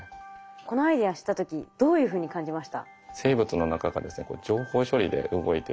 このアイデア知った時どういうふうに感じました？